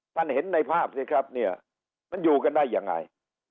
เห็นในภาพสิครับเนี่ยมันอยู่กันได้ยังไง